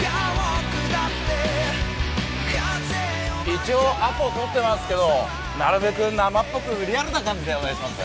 一応アポ取ってますけどなるべく生っぽくリアルな感じでお願いします。